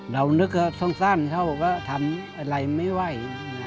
เรานึกว่าสั้นเขาก็ทำอะไรไม่ไหว